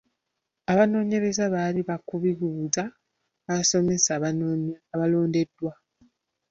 Abanoonyereza baali baakubibuuza abasomesa abalondeddwa.